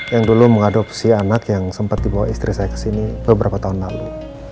yang dulu mengadopsi anak yang sempat dibawa istri saya ke sini beberapa tahun lalu